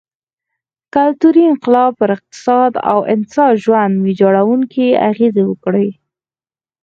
کلتوري انقلاب پر اقتصاد او انسا ژوند ویجاړوونکې اغېزې وکړې.